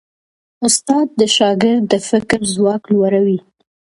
استاد د شاګرد د فکر ځواک لوړوي.